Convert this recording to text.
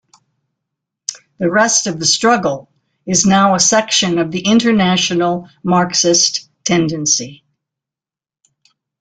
The rest of The Struggle is now a section of the International Marxist Tendency.